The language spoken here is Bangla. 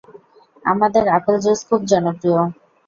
আমাদের আপেল জুস খুব জনপ্রিয়।